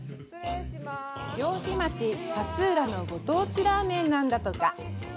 漁師町・勝浦のご当地ラーメンなんだとか。